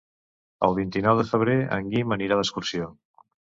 El vint-i-nou de febrer en Guim anirà d'excursió.